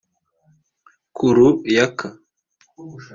Kuru Yaka